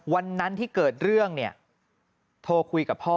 วันนั้นที่เกิดเรื่องเนี่ยโทรคุยกับพ่อ